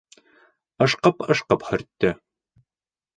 Ышҡып-ышҡып һөрттө.